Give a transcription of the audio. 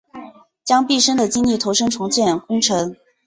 将毕生的精力投入重建工程